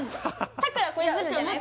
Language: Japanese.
さくら超えるんじゃない？